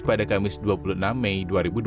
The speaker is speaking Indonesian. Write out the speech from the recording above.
pada kamis dua puluh enam mei dua ribu dua puluh